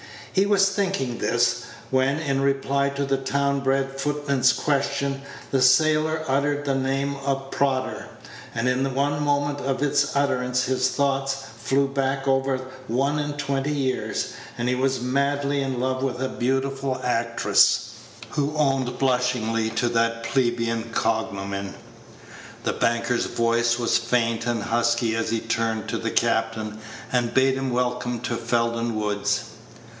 He was thinking this, when, in reply to the town bred footman's question, the sailor uttered the name of Prodder; and in the one moment of its utterance his thoughts flew back over one and twenty years, and he was madly in love with a beautiful actress, who owned blushingly to that plebeian cognomen. The banker's voice was faint and husky as he turned to the captain and bade him welcome to Felden Woods.